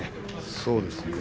そうですね。